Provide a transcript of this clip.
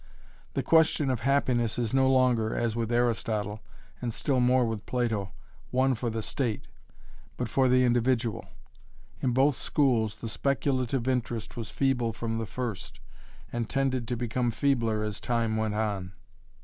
The question of happiness is no longer, as with Aristotle, and still more with Plato, one for the state, but for the individual. In both schools the speculative interest was feeble from the first, and tended to become feebler as time went on.